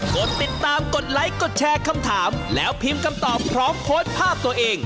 กดติดตามกดไลค์กดแชร์คำถามแล้วพิมพ์คำตอบพร้อมโพสต์ภาพตัวเอง